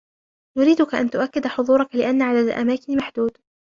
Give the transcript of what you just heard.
نريدك أن تؤكد حضورك لأن عدد الأماكن محدود.